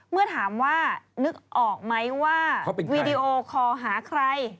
เมื่อถามว่านึกออกไหมว่าวีดีโอคอลหาใคร